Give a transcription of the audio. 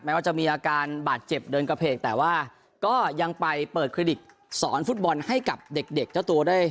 ว่าจะมีอาการบาดเจ็บเดินกระเพกแต่ว่าก็ยังไปเปิดคลินิกสอนฟุตบอลให้กับเด็กเจ้าตัวได้